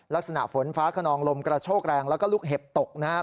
ลักษณะฝนฟ้าขนองลมกระโชกแรงแล้วก็ลูกเห็บตกนะครับ